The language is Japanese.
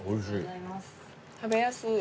食べやすい。